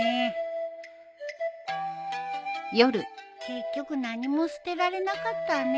結局何も捨てられなかったね。